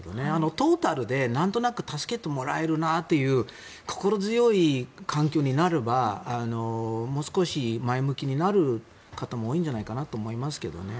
トータルで、なんとなく助けてもらえるなという心強い環境になればもう少し前向きになる方も多いんじゃないかなと思いますけどね。